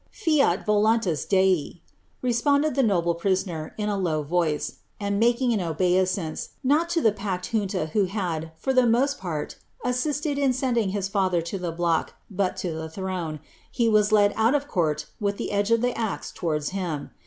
^Fial volwUas Dti^'* responded the noble prisoner, in a low voice *, md making an obeisance, not to the packed junui who had, for the most part, assisted in sending his father to the block, but to the throne, he was led out of court, with the edge of the axe towards him.